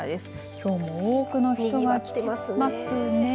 きょうも多くの人が来ていますね。